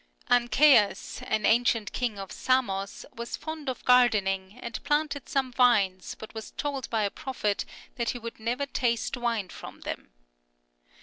AncSEUS, an ancient king of Samos, was fond of gardening, and planted some vines but was told by a prophet that he would never taste wine from them.